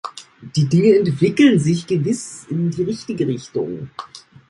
Die Dinge entwickeln sich gewiss in die richtige Richtung.